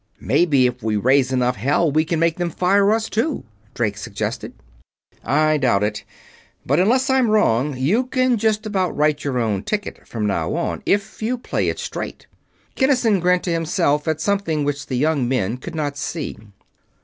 "Maybe, if we raise enough hell, we can make them fire us, too?" Drake suggested. "I doubt it. But unless I'm wrong, you can just about write your own ticket from now on, if you play it straight." Kinnison grinned to himself, at something which the young people could not see.